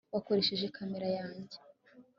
wakoresheje kamera yanjye